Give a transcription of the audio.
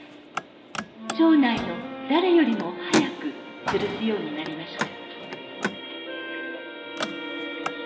町内の誰よりも早くつるすようになりました